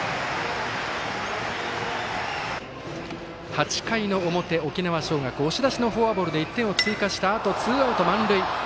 ８回表、沖縄尚学押し出しのフォアボールで１点を追加したあとツーアウト、満塁。